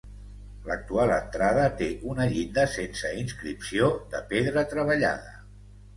L'actual entrada té una llinda, sense inscripció, de pedra treballada.